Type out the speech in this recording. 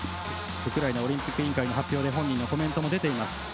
ウクライナオリンピック委員会の発表で本人のコメントも出ています。